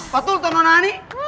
betul atau nona ani